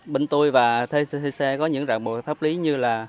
bên tôi và thuê xe có những rạng bộ pháp lý như là